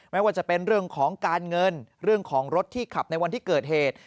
ไม่ว่าจะเป็นเรื่องของการเงินเรื่องของรถที่ขับในวันที่เกิดเหตุ